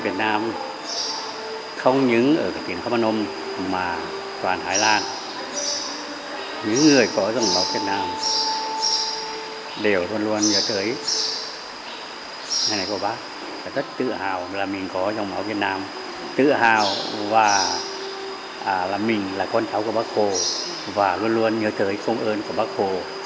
chủ tịch hồ chí minh là con cháu của bác hồ và luôn luôn nhớ tới phong ơn của bác hồ